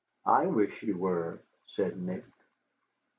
"I wish you were," said Nick.